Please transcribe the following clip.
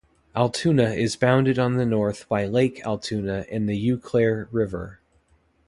Altoona is bounded on the north by Lake Altoona and the Eau Claire River.